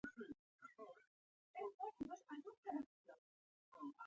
په بودجه کې کسر رامنځته کیږي.